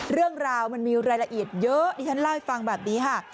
เรื่องราวมันมีรายละเอียดเยอะดิฉันเล่าให้ฟังแบบนี้ค่ะ